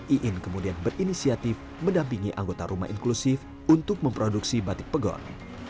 iin kemudian berinisiatif mendampingi anggota rumah inklusif untuk memproduksi batik pegon